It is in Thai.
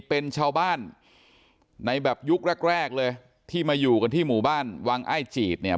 เป็นชาวบ้านในแบบยุคแรกแรกเลยที่มาอยู่กันที่หมู่บ้านวังอ้ายจีดเนี่ย